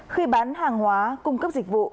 khi bán hàng hóa cung cấp dịch vụ